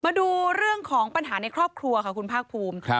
มาดูเรื่องของปัญหาในครอบครัวค่ะคุณภาคภูมิ